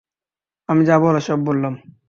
আমি যা বলার সব বললাম।